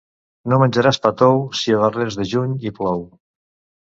No menjaràs pa tou si a darrers de juny hi plou.